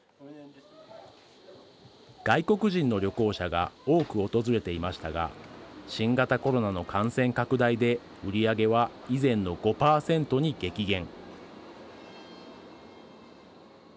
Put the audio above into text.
外国人の旅行者が多く訪れていましたが新型コロナの感染拡大で売り上げは以前の５％に激減。